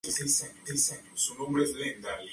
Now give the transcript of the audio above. Dehesas de la modernidad.